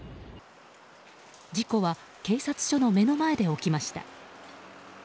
事故は警察署の目の前で起きました。